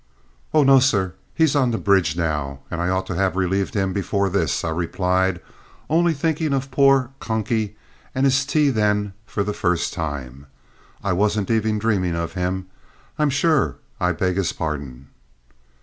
"Oh no, sir; he's on the bridge now, and I ought to have relieved him before this," I replied, only thinking of poor "Conky" and his tea then for the first time. "I wasn't even dreaming of him; I'm sure I beg his pardon!"